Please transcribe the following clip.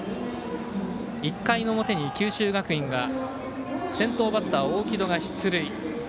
１回の表に九州学院は先頭バッターの大城戸が出塁。